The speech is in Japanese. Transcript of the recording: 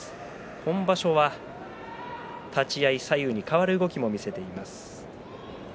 今場所は立ち合い最後に変わる動きを見せています。